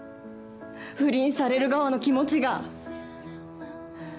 不倫される側の気持ちが。